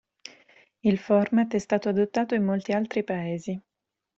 Il format è stato adattato in molti altri paesi.